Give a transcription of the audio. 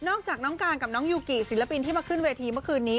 จากน้องการกับน้องยูกิศิลปินที่มาขึ้นเวทีเมื่อคืนนี้